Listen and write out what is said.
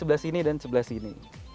sebelah sini dan sebelah sini